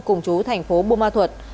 cùng chú thành phố bumathuot